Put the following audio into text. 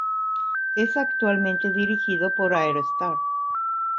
Es actualmente dirigido por Aero Star.